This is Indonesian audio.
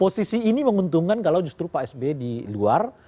posisi ini menguntungkan kalau justru pak sby di luar